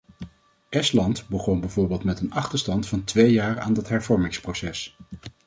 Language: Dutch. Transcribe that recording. Estland begon bijvoorbeeld met een achterstand van twee jaar aan dat hervormingsproces.